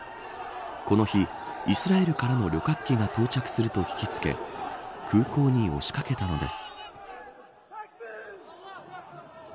この日、イスラエルからの旅客機が到着すると聞きつけ空港に押しかけたのです。